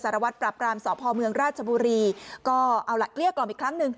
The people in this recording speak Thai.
รวัตรปราบรามสพเมืองราชบุรีก็เอาล่ะเกลี้ยกล่อมอีกครั้งหนึ่ง